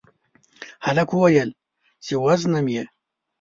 هلک وويل چې وژنم يې